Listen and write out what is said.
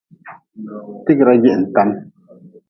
Tigra jihintan.